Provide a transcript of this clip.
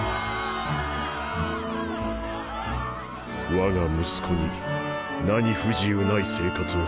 わが息子に何不自由ない生活をさせる。